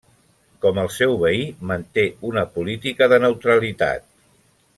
Com el seu veí, manté una política de neutralitat.